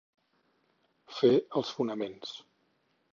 Fer els fonaments.